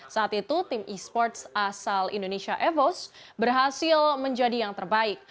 saat itu tim e sports asal indonesia evos berhasil menjadi yang terbaik